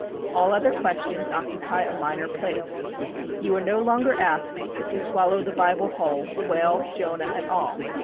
All other questions occupy a minor place. You are no longer asked to swallow the Bible whole, whale, Jonah and all.